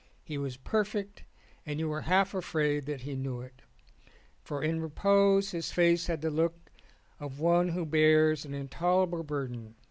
He was perfect and you were half afraid that he knew it, for in repose his face had the look of one who bears an intoler able burden.